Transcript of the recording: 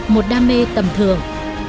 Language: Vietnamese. một đam mê tầm thường